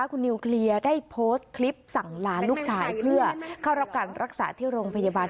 คุณนิวเคลียร์ได้โพสต์คลิปสั่งลาลูกชายเพื่อเข้ารับการรักษาที่โรงพยาบาล